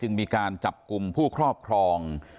มีการจับกลุ่มผู้ครอบครอง